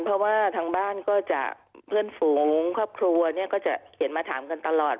เพราะว่าทางบ้านก็จะเพื่อนฝูงครอบครัวเนี่ยก็จะเขียนมาถามกันตลอด